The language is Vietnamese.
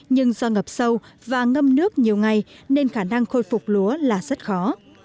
nhưng do ngập sâu và ngâm nước nhiều ngày nên khả năng khôi phục lúa là rất khó